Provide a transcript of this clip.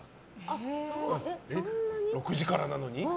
６時からなのに？